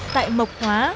tại mộc hóa